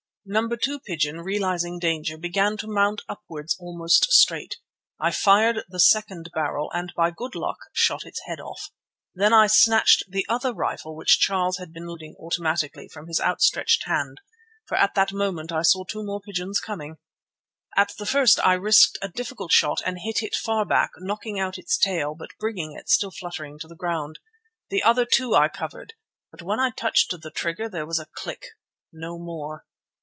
Number two pigeon, realizing danger, began to mount upwards almost straight. I fired the second barrel, and by good luck shot its head off. Then I snatched the other rifle, which Charles had been loading automatically, from his outstretched hand, for at that moment I saw two more pigeons coming. At the first I risked a difficult shot and hit it far back, knocking out its tail, but bringing it, still fluttering, to the ground. The other, too, I covered, but when I touched the trigger there was a click, no more.